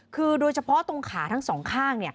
คือโดยเฉพาะตรงขาทั้งสองข้าง